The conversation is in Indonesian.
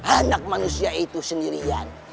anak manusia itu sendirian